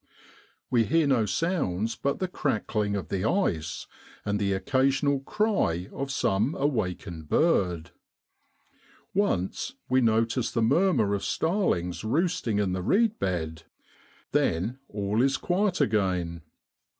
We hear no sounds but the crackling of the ice, and the occasional cry of some awakened bird. Once we notice the murmur of starlings roosting in the reed bed ; then all is quiet again.